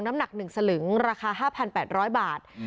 น้ำหนักหนึ่งสลึงราคาห้าพันแปดร้อยบาทอืม